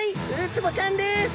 ウツボちゃんです。